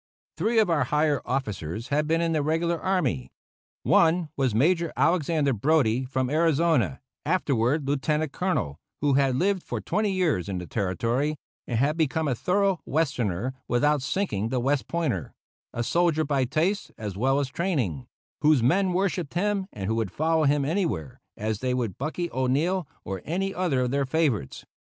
Three of our higher officers had been in the regular army. One was Major Alexander Brodie, from Arizona, afterward Lieutenant Colonel, who had lived for twenty years in the Territory, and had become a thorough Westerner without sinking the West Pointer a soldier by taste as well as training, whose men worshipped him and would follow him anywhere, as they would Bucky O'Neill or any other of their favorites.